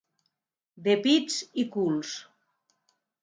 De pits i culs.